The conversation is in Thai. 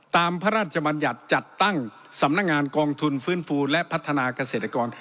พระราชบัญญัติจัดตั้งสำนักงานกองทุนฟื้นฟูและพัฒนาเกษตรกร